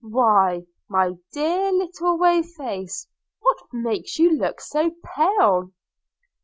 why, my dear little whey face, what makes you look so pale?